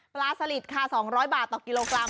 สลิดค่ะ๒๐๐บาทต่อกิโลกรัม